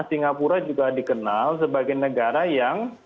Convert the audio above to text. singapura juga dikenal sebagai negara yang sangat longgar